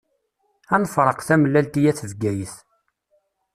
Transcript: A nefṛeq tamellalt i At Bgayet.